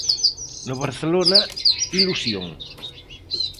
No Barcelona ilusión.